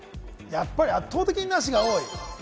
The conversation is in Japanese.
圧倒的に「なし」が多い。